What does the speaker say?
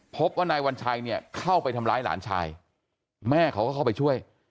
พบว่านายวัญชัยเนี่ยเข้าไปทำร้ายหลานชายแม่เขาก็เข้าไปช่วย